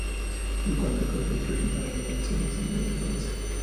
Y cuando el caos golpea, el amor será su mayor fortaleza.